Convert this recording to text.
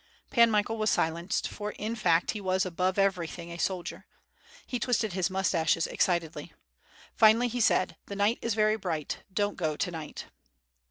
Pan Michael was silenced, for in fact he wbs above every thing a soldier. He twisted his moustaches excitedly. Finally he said ''the night is very bright, don't go to night."